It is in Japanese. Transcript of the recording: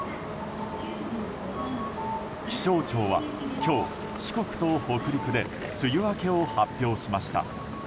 気象庁は今日、四国と北陸で梅雨明けを発表しました。